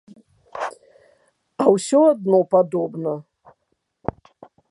А ўсё адно падобна.